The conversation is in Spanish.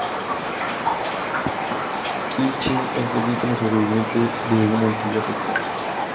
I Ching, es el último sobreviviente de una antigua secta.